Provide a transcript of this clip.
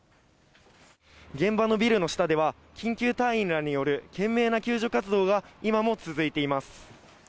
現場のビルの下では、救急隊員らによる懸命な救助活動が今も続いています。